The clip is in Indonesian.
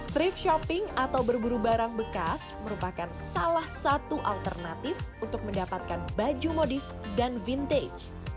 trip shopping atau berburu barang bekas merupakan salah satu alternatif untuk mendapatkan baju modis dan vintage